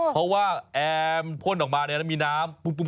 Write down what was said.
เพราะว่าแอ้มพลปล่นออกมาอะไรมี่น้ำ